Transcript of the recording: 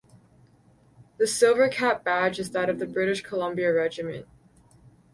The silver cap badge is that of the British Columbia Regiment.